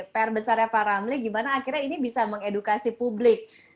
pr besarnya pak ramli gimana akhirnya ini bisa mengedukasi publik